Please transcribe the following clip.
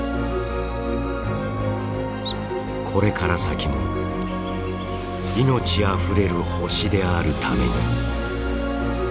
これから先も命あふれる星であるために。